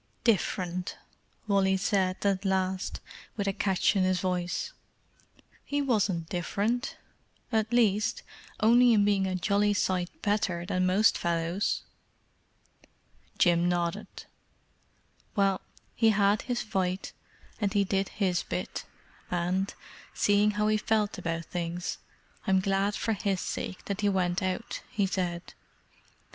"Different!" Wall said, at last, with a catch in his voice. "He wasn't different—at least, only in being a jolly sight better than most fellows." Jim nodded. "Well, he had his fight, and he did his bit, and, seeing how he felt about things, I'm glad for his sake that he went out," he said.